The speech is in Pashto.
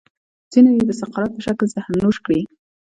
ځینو یې د سقراط په شکل زهر نوش کړي.